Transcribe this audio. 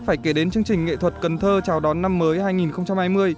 phải kể đến chương trình nghệ thuật cần thơ chào đón năm mới hai nghìn hai mươi